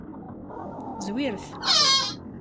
Zwiret.